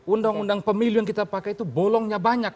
undang undang pemilu yang kita pakai itu bolongnya banyak